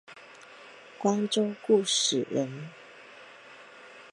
光州固始人。